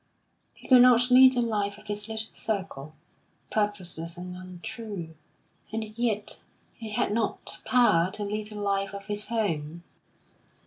He could not lead the life of his little circle, purposeless and untrue; and yet he had not power to lead a life of his own.